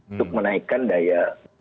untuk menaikkan daya